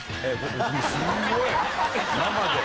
すんごい生で。